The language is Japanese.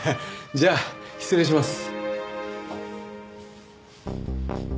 じゃあ失礼します。